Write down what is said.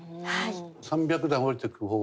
３００段下りてく方は混浴？